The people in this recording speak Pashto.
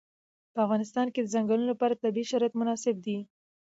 په افغانستان کې د ځنګلونه لپاره طبیعي شرایط مناسب دي.